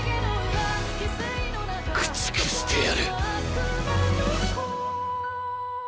駆逐してやる！！